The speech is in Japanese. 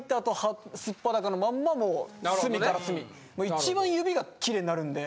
一番指がキレイになるんで。